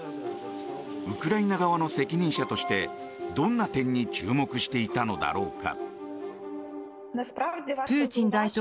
ウクライナ側の責任者としてどんな点に注目していたのだろうか。